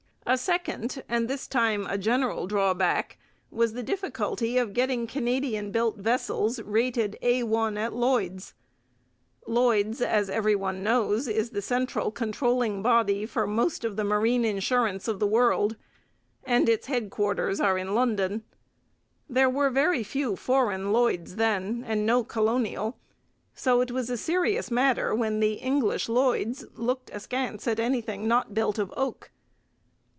A second, and this time a general, drawback was the difficulty of getting Canadian built vessels rated A1 at Lloyd's. 'Lloyd's,' as every one knows, is the central controlling body for most of the marine insurance of the world, and its headquarters are in London. There were very few foreign 'Lloyd's' then, and no colonial; so it was a serious matter when the English Lloyd's looked askance at anything not built of oak.